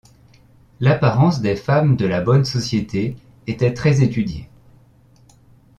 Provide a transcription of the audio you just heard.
L'apparence des femmes de la bonne société était très étudiée.